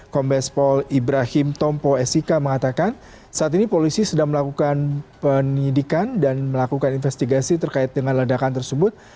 kombes pol ibrahim tompo sika mengatakan saat ini polisi sedang melakukan penyidikan dan melakukan investigasi terkait dengan ledakan tersebut